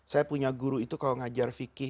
saya punya guru itu kalau ngajar fikih